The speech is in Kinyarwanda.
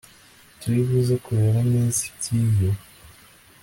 turi buze kureba neza iby'iyo